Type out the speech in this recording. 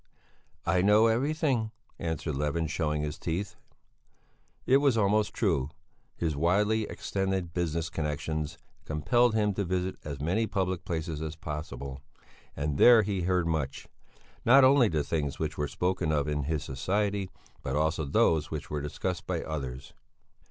"I know everything," answered Levin, showing his teeth. It was almost true; his widely extending business connexions compelled him to visit as many public places as possible, and there he heard much; not only the things which were spoken of in his society, but also those which were discussed by others.